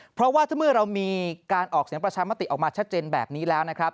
เพราะว่าถ้าเมื่อเรามีการออกเสียงประชามติออกมาชัดเจนแบบนี้แล้วนะครับ